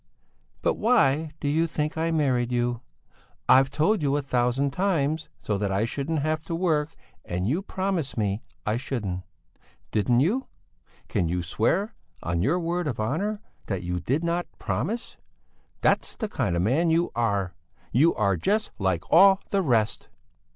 But why do you think I married you? I've told you a thousand times so that I shouldn't have to work and you promised me I shouldn't. Didn't you? Can you swear, on your word of honour, that you did not promise? That's the kind of man you are! You are just like all the rest!"